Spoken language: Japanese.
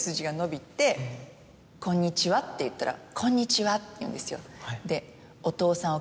「こんにちは」って言ったら「こんにちは」って言うんですよ。